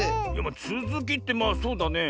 つづきってまあそうだね。